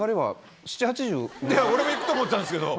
俺も行くと思ってたんですけど。